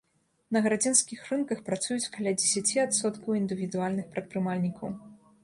На гарадзенскіх рынках працуюць каля дзесяці адсоткаў індывідуальных прадпрымальнікаў.